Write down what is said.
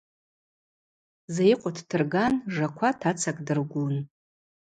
Зайыкъва дтырган Жаква тацакӏ дыргун.